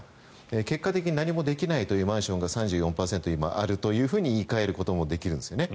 結果的に何もできないというマンションが３４％あると言い換えることもできるんです。